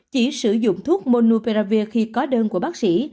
chỉ sử dụng thuốc monuperavir khi có đơn của bác sĩ